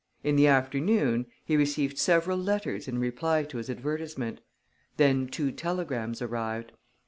In the afternoon, he received several letters in reply to his advertisement. Then two telegrams arrived.